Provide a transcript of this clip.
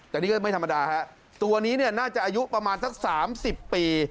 แต่นี่ก็ไม่ธรรมดาฮะตัวนี้เนี่ยน่าจะอายุประมาณสัก๓๐ปี